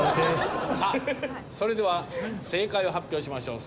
さあそれでは正解を発表しましょう。